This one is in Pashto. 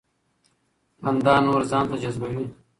خندا نور ځان ته جذبوي.